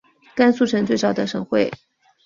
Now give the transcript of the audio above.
甘肃省最早的省会。